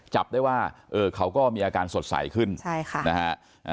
จับได้ว่าเออเขาก็มีอาการสดใสขึ้นใช่ค่ะนะฮะ